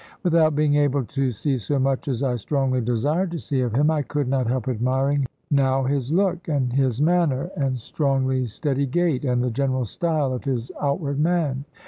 Without being able to see so much as I strongly desired to see of him, I could not help admiring now his look, and his manner, and strong steady gait, and the general style of his outward man.